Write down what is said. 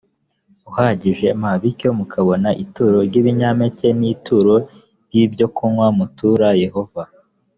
uhagije m bityo mukabona ituro ry ibinyampeke n ituro ry ibyokunywa mutura yehova